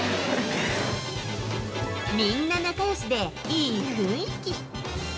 みんな仲よしでいい雰囲気。